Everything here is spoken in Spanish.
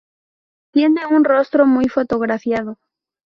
Tiene un rostro muy fotografiado.